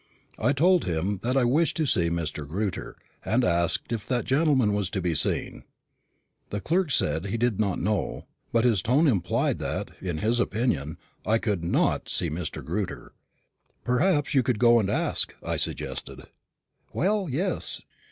I told him that I wished to see Mr. Grewter, and asked if that gentleman was to be seen. The clerk said he did not know; but his tone implied that, in his opinion, I could not see Mr. Grewter. "Perhaps you could go and ask," I suggested. "Well, yes.